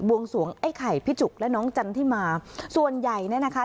วงสวงไอ้ไข่พี่จุกและน้องจันทิมาส่วนใหญ่เนี่ยนะคะ